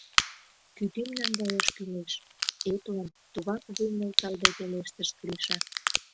— Кӱтӱм наҥгаяш кӱлеш, — эплын, тугак вуй нӧлталде пелештыш Гриша.